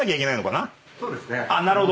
なるほど。